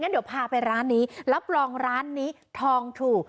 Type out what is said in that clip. เดี๋ยวพาไปร้านนี้รับรองร้านนี้ทองถูก